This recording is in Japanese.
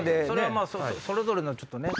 それはそれぞれの。